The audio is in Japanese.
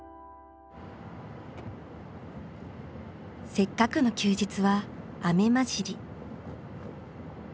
せっかくの休日は雨交じり。